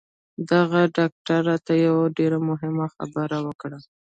د هغه ډاکتر راته یوه ډېره مهمه خبره وکړه